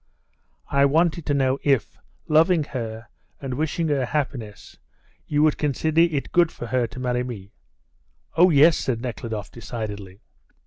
"I wanted to know if, loving her and wishing her happiness, you would consider it good for her to marry me?" "Oh, yes," said Nekhludoff decidedly.